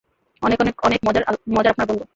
অনেক অনেক অনেক মজার আপনার বন্ধু।